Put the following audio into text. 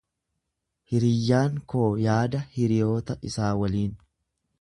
Hiriyyaan koo yaada hiriyoota isaa waliin.